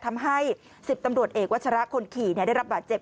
ทำให้๑๐ตำรวจเอกวัชระคนขี่ได้รับบาดเจ็บ